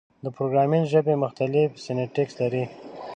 د پروګرامینګ ژبې مختلف سینټکس لري.